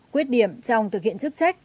quyết điểm trong thực hiện chức trách